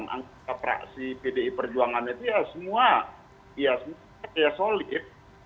angkat praksi pdi perjuangan itu ya semua ya semua kayak solid